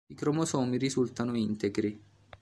I cromosomi risultano integri.